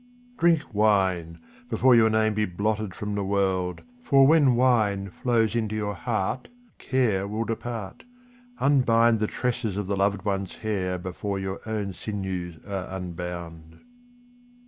Drink wine, before your name be blotted from the world, for when wine flows into your heart, care will depart. Unbind the tresses of the loved one's hair before your own sinews are unbound.